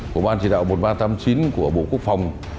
của ban chỉ đạo một nghìn ba trăm tám mươi chín của bộ quốc phòng